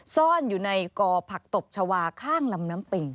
ซ่อนอยู่ในกอผักตบชาวาข้างลำน้ำปิ่ง